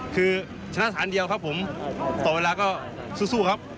คือชนะฐานเดียวครับผมต่อเวลาก็สู้ครับ